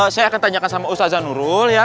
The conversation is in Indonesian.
saya akan tanyakan sama ustazan nurul ya